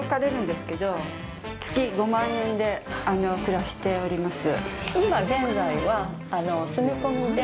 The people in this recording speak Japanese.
月５万円で暮らしております。